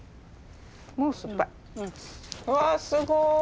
うわっすごい。